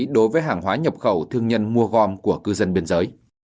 đối với hàng hóa nhập khẩu thương nhân mua gom của cư dân biên giới